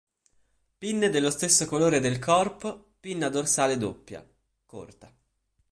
Pinne dello stesso colore del corpo, pinna dorsale doppia, corta.